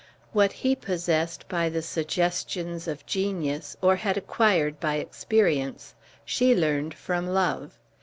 What he possessed by the suggestions of genius, or had acquired by experience, she learned from love.